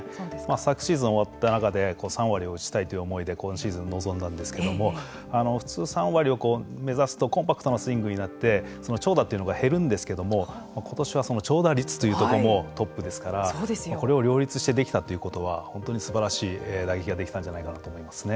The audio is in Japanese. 昨シーズン終わった中で３割を打ちたいという思いで今シーズン臨んだんですけども普通３割を目指すとコンパクトなスイングになって長打というのが減るんですけども今年はその長打率というとこもトップですからこれを両立してできたということは本当にすばらしい打撃ができたんじゃないかと思いますね。